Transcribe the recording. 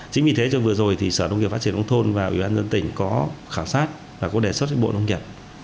chính vì thế cho vừa rồi thì sở nông nghiệp phát triển nông thôn và ủy ban dân tỉnh có khảo sát và có đề xuất với bộ nông nghiệp